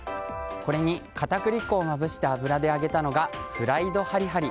これに片栗粉をまぶして油で揚げたのがフライドはりはり。